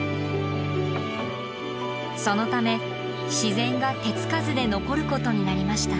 そのため自然が手付かずで残ることになりました。